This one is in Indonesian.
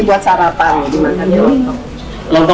ini mengatakan katanya di sini lutegetan nya enak banget